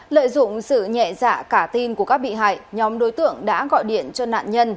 lợi dụng sự nhẹ dạ cả tin của các bị hại nhóm đối tượng đã gọi điện cho nạn nhân